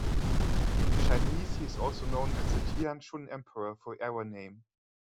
In Chinese he is also known as the Tianshun Emperor for era name.